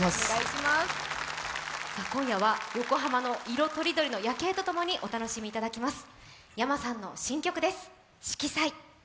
今夜は横浜の色とりどりの夜景と共にお楽しみいただきます。